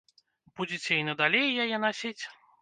Будзеце і надалей яе насіць?